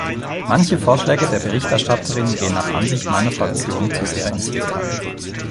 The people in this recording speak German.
Manche Vorschläge der Berichterstatterin gehen nach Ansicht meiner Fraktion zu sehr ins Detail.